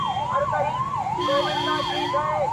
هغه سر مي تور لحد ته برابر کړ٫